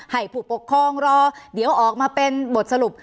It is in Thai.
ให้ผู้ปกครองรอเดี๋ยวออกมาเป็นบทสรุป